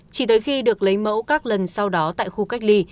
chỉ tới khi được lấy mẫu các lần sau đó tại khu cách ly